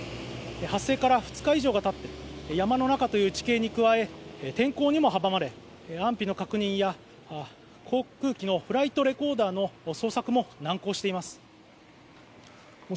発生から２日以上がたち、山の中という地形に加え天候にも阻まれ、安否の確認や航空機のフライトレコーダーの捜索も難航しています。